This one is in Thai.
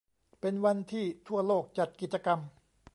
เป็นวันที่ทั่วโลกจัดกิจกรรม